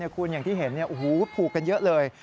คุณอย่างที่เห็นผูกกันเยอะเลย